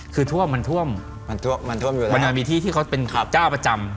คือท่วมมันท่วมมันมีที่ที่เขาเป็มเป็นจ้าประจำ